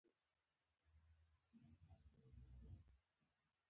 د نورو حقونو ته درناوی عدالت دی.